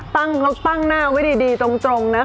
ตั้งหน้าวิดีดีตรงนะคะ